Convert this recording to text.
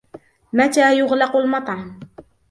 متى يُغلق المطعم ؟